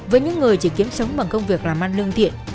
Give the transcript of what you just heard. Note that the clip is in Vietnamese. với những người chỉ kiếm sống bằng công việc làm ăn lương thiện